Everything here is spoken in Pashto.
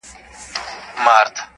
o اوس نو وکئ قضاوت ګنا دچا ده,